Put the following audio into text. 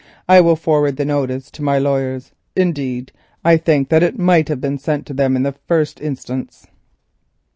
I will forward the notice to my lawyers; indeed I think that it might have been sent to them in the first instance."